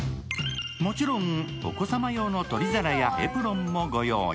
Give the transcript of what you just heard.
もちろんお子様用の取り皿やエプロンもご用意。